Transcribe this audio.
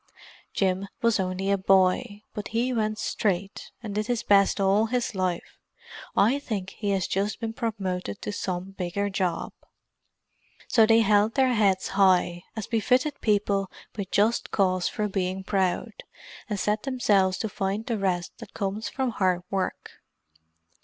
Jim was only a boy, but he went straight and did his best all his life. I think he has just been promoted to some bigger job." So they held their heads high, as befitted people with just cause for being proud, and set themselves to find the rest that comes from hard work.